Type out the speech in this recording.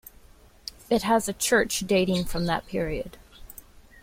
It has a church dating from that period.